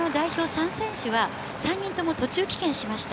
３選手は、３人とも途中棄権しました。